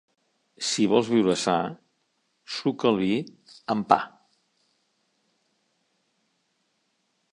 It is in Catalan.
Si vols viure sa, suca el vi amb pa.